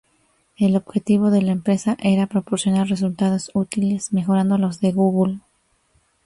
El objetivo de la empresa era proporcionar resultados útiles mejorando los de Google.